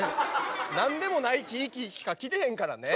何でもない木しか切れへんからね。